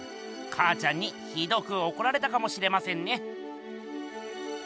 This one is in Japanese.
かあちゃんにひどくおこられたかもしれませんね。